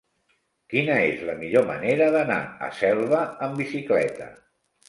Quina és la millor manera d'anar a Selva amb bicicleta?